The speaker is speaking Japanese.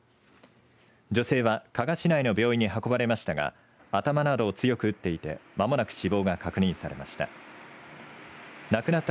女性は、加賀市内の病院に運ばれましたが頭などを強く打っていてまもなく死亡が確認されました。